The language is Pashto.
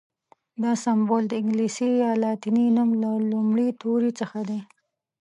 دا سمبول د انګلیسي یا لاتیني نوم له لومړي توري څخه دی.